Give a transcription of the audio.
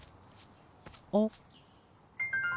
あっ。